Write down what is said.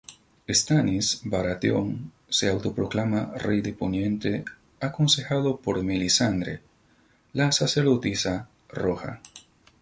Stannis Baratheon se autoproclama Rey de Poniente aconsejado por Melisandre, la sacerdotisa roja.